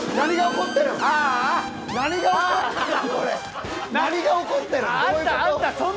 これ何が起こってるん？